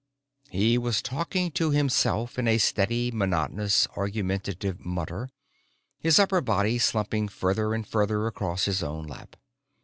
He was talking to himself in a steady, monotonous, argumentative mutter, his upper body slumping further and further across his own lap.